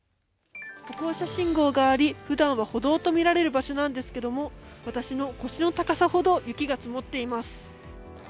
歩行者信号があり、ふだんは歩道と見られる場所なんですけれども私の腰の高さほど雪が積もっています。